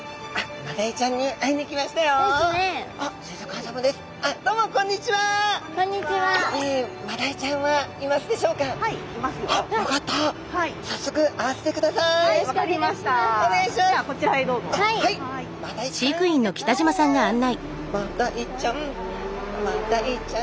マダイちゃん！